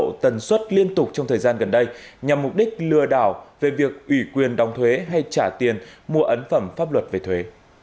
tổng cục thuế vừa cảnh báo về tình trạng lừa đảo trong thời gian gần đây nhằm mục đích lừa đảo về việc ủy quyền đóng thuế hay trả tiền mua ấn phẩm pháp luật về thuế